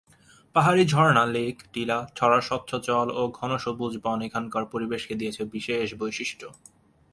পাহাড়ী ঝর্ণা, লেক, টিলা, ছড়ার স্বচ্ছ জল ও ঘন সবুজ বন এখানকার পরিবেশকে দিয়েছে বিশেষ বৈশিষ্ট্য।